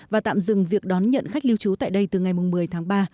và tạm dừng việc đón nhận khách lưu trú tại đây từ ngày một mươi tháng ba